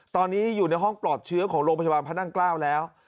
ตอนนี้อยู่ในห้องปลอดเชื้อของโรงพยาบาลพระนั่งเกล้าแล้ว